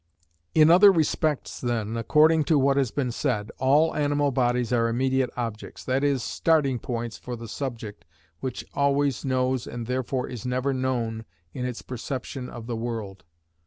In other respects, then, according to what has been said, all animal bodies are immediate objects; that is, starting points for the subject which always knows and therefore is never known in its perception of the world.